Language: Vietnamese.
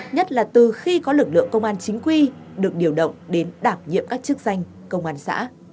nhất là từ khi có lực lượng công an chính quy được điều động đến đảm nhiệm các chức danh công an xã